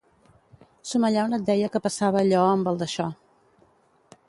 Som allà on et deia que passava allò amb el d'això.